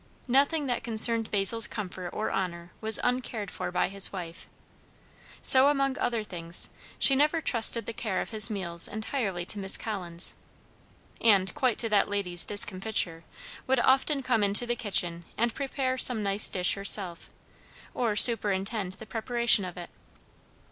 Nothing that concerned Basil's comfort or honour was uncared for by his wife. So, among other things, she never intrusted the care of his meals entirely to Miss Collins; and quite to that lady's discomfiture, would often come into the kitchen and prepare some nice dish herself, or superintend the preparation of it.